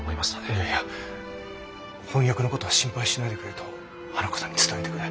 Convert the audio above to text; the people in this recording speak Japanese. いやいや翻訳の事は心配しないでくれと花子さんに伝えてくれ。